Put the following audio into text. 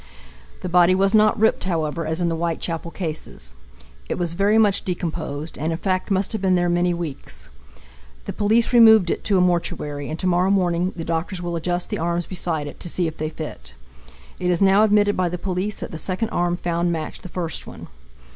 The body was not ripped, however, as in the Whitechapel cases. It was very much decomposed, and in fact must have been there many weeks. The police removed it to a mortuary, and to morrow morning the doctors will adjust the arms beside it, to see if they fit. It is now admitted by the police that the second arm found matched the first one.